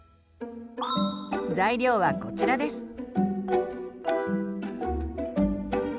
材料はこちらです。